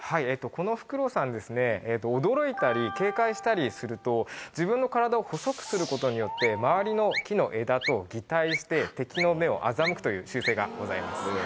このフクロウさんですね、驚いたり、警戒したりすると、自分の体を細くすることによって、周りの木の枝と擬態して、敵の目を欺くという習性がございます。